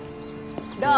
どう？